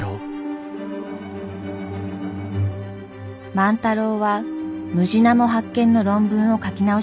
万太郎はムジナモ発見の論文を書き直しました。